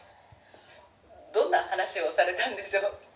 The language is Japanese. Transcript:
「どんな話をされたんでしょう？」。